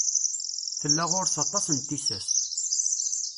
Tella ɣur-s aṭas n tissas.